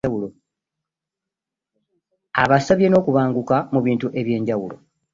Abasabye n'okubanguka mu bintu eby'enjawulo